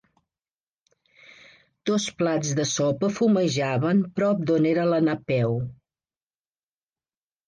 Dos plats de sopa fumejaven prop d'on era la Napeu.